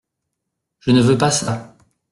Je ne veux pas ça.